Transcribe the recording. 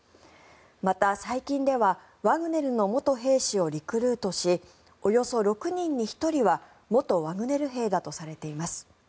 また、最近ではワグネルの元兵士をリクルートしおよそ６人に１人は元ワグネル兵だとされています。